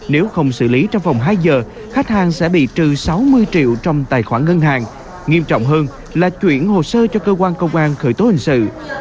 nếu không xử lý trong vòng hai giờ khách hàng sẽ bị trừ sáu mươi triệu trong tài khoản ngân hàng nghiêm trọng hơn là chuyển hồ sơ cho cơ quan công an khởi tố hình sự